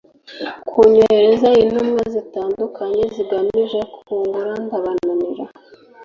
kunyoherereza intumwa zitandukanye zigamije kungura ndabananira